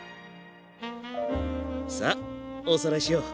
さあおさらいしよう。